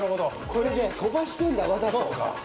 これで飛ばしてるんだわざと。